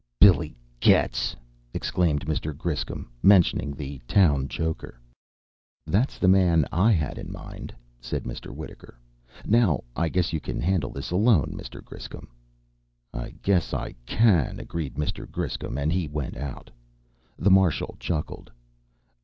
"Billy Getz!" exclaimed Mr. Griscom, mentioning the town joker. "That's the man I had in mind," said Mr. Wittaker. "Now, I guess you can handle this alone, Mr. Griscom." "I guess I can," agreed Mr. Griscom. And he went out. The Marshal chuckled.